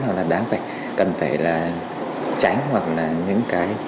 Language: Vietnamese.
hoặc là đáng phải cần phải là tránh hoặc là những cái